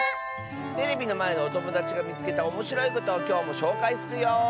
テレビのまえのおともだちがみつけたおもしろいことをきょうもしょうかいするよ！